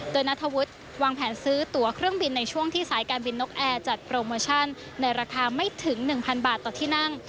โดยนัทธวุฒิวางแผนซื้อตัวเครื่องบินในช่วงที่สายการบินนกแอร์จัดโปรโมชั่นในราคาไม่ถึง๑๐๐บาทต่อที่นั่ง